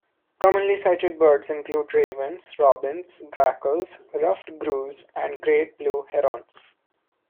Commonly sighted birds include ravens, robins, grackles, ruffed grouse, and great blue herons.